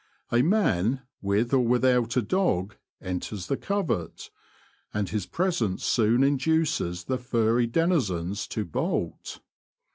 A man, with or without a dog, enters the covert, and his presence soon induces the furry denizens to bolt.